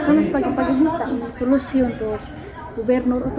karena sebagian pagi ini kita punya solusi untuk gubernur